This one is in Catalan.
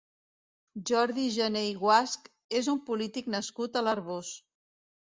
Jordi Jané i Guasch és un polític nascut a l'Arboç.